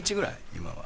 今は。